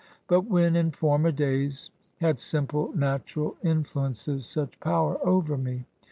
But when, in former days, had simple, natural influences such power over me